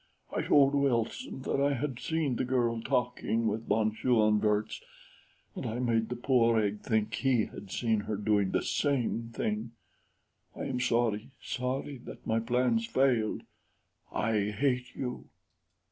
I told Wilson that I had seen the girl talking with von Schoenvorts, and I made the poor egg think he had seen her doing the same thing. I am sorry sorry that my plans failed. I hate you."